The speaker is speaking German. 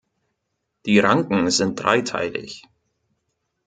Die Ranken sind dreiteilig.